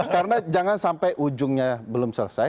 karena jangan sampai ujungnya belum selesai